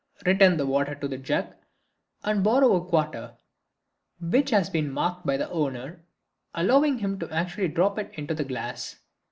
Return the water to the jug and borrow a quarter, which has been marked by the owner, allowing him to actually drop it into the glass.